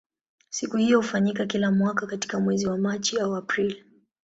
Siku hiyo hufanyika kila mwaka katika mwezi wa Machi au Aprili.